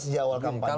sejak awal kapan